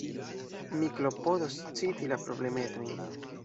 Mi klopodos citi la problemetojn.